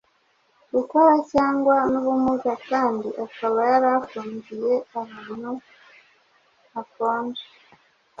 gukora cyane n’ubumuga kandi akaba yari afungiye ahantu hakonje